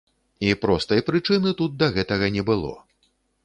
І простай прычыны тут да гэтага не было.